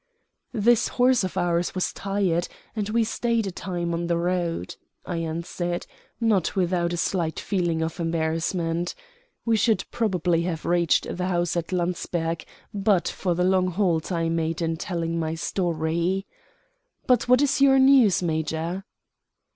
"This horse of ours was tired, and we stayed a time on the road," I answered, not without a slight feeling of embarrassment. We should probably have reached the house at Landsberg but for the long halt I had made in telling my story. "But what is your news, major?"